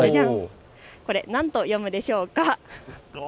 これ、何と読むでしょうか。